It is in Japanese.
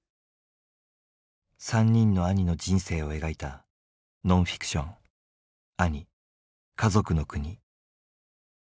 ３人の兄の人生を描いたノンフィクション「兄かぞくのくに」。